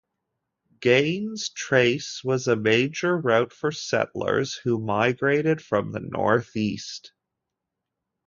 Gaines Trace was a major route for settlers who migrated from the northeast.